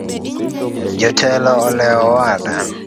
Jotelo olewo owada.